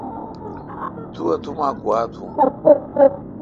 تو اتوما گوا تھون۔